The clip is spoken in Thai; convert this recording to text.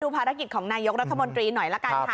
ภารกิจของนายกรัฐมนตรีหน่อยละกันค่ะ